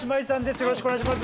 よろしくお願いします。